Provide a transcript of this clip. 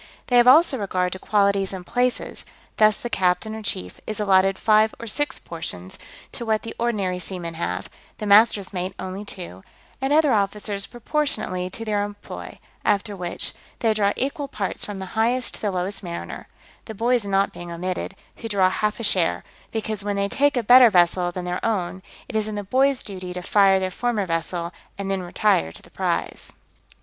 They have also regard to qualities and places: thus the captain, or chief, is allotted five or six portions, to what the ordinary seamen have: the master's mate only two, and other officers proportionately to their employ: after which, they draw equal parts from the highest to the lowest mariner, the boys not being omitted, who draw half a share; because when they take a better vessel than their own, it is in the boys' duty to fire their former vessel, and then retire to the prize.